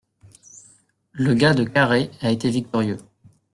Le gars de Carhaix a été victorieux.